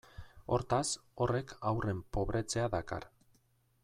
Hortaz, horrek haurren pobretzea dakar.